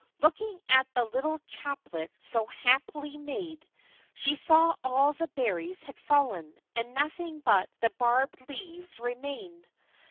Looking at the little chaplet so happily made, she saw that all the berries had fallen, and nothing but the barbed leaves remained.